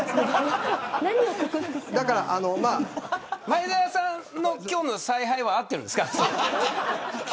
前園さんの今日の采配は合っているんですか。